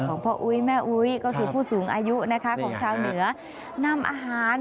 พ่ออุ๊ยแม่อุ๊ยก็คือผู้สูงอายุนะคะของชาวเหนือนำอาหาร